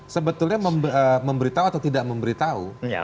sebetulnya memberitahu atau tidak memberitahu